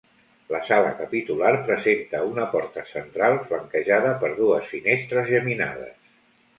La sala capitular presenta una porta central flanquejada per dues finestres geminades.